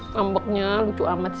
nampaknya lucu amat sih